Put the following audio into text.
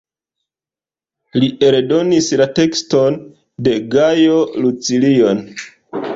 Li eldonis la tekston de Gajo Lucilio-n.